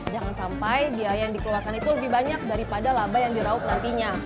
jangan sampai biaya yang dikeluarkan itu lebih banyak daripada laba yang diraup nantinya